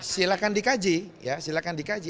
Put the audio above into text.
silakan dikaji silakan dikaji